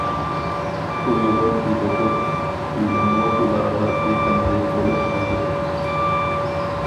ئۇيغۇر ئىدىقۇت ئېلىمۇ ئۇلارغا بېقىندى بولۇپ قالدى.